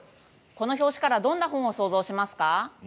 この表紙からどんな本を想像しますか？